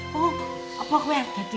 kok gue jadi anak nakal ya